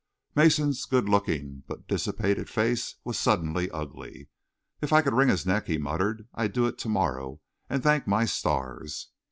Mason's good looking but dissipated face was suddenly ugly. "If I could wring his neck," he muttered, "I'd do it to morrow and thank my stars."